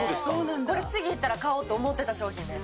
これ、次行ったら買おうと思ってた商品です。